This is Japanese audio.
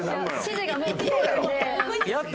指示がもうきてるんで。